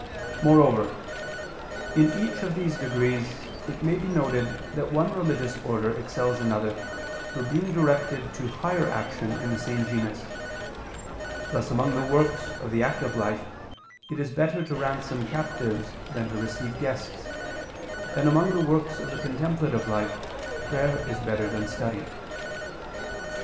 Moreover, in each of these degrees it may be noted that one religious order excels another through being directed to higher action in the same genus; thus among the works of the active life it is better to ransom captives than to receive guests, and among the works of the contemplative life prayer is better than study.